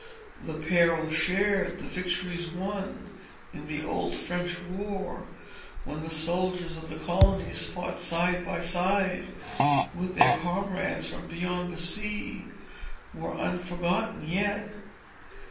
The perils shared, the victories won, in the Old French War, when the soldiers of the colonies fought side by side with their comrades from beyond the sea, were unforgotten yet.